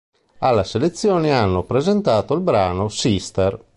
Alla selezione hanno presentato il brano "Sister".